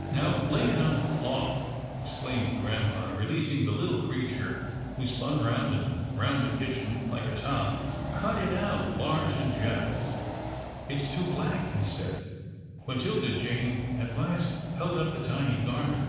" Now lay it on the cloth," exclaimed grampa, releasing the little creature who spun round and round the kitchen like a top, " cut it out — large and generous." " It's too black," he said, when 'Tilda Jane at last held up the tiny garment.